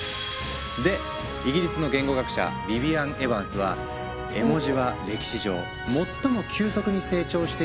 でイギリスの言語学者ヴィヴィアン・エヴァンスは「絵文字は歴史上最も急速に成長している言語だ」と語っている。